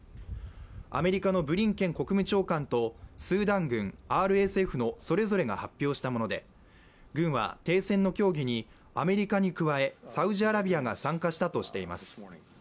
アメリカのブリンケン国務長官とスーダン軍、ＲＳＦのそれぞれが発表したもので、軍は停戦の協議にアメリカに加えサウジアラビアが参加したとしています。